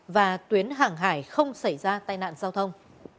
và tuyến hàng hải không xảy ra tai nạn giao thông